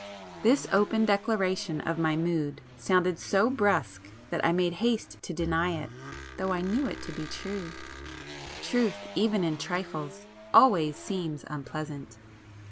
This open declaration of my mood sounded so brusque that I made haste to deny it, though I knew it to be true. Truth, even in trifles, always seems unpleasant!